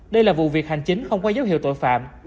đây là vụ việc hành chính không có dấu hiệu tội phạm